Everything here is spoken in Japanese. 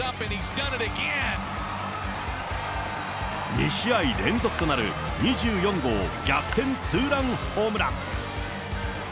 ２試合連続となる２４号逆転ツーランホームラン。